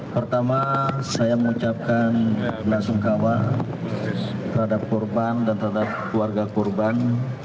pertama saya mengucapkan belasungkawa terhadap korban dan terhadap keluarga korban